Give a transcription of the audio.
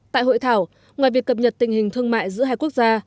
tại hội thảo ngoài việc cập nhật tình hình thương mại giữa hai quốc gia